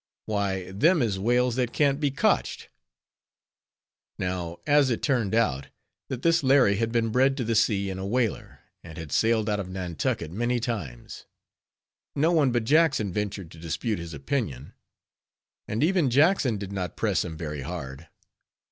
"Why, them is whales that can't be cotched." Now, as it turned out that this Larry had been bred to the sea in a whaler, and had sailed out of Nantucket many times; no one but Jackson ventured to dispute his opinion; and even Jackson did not press him very hard.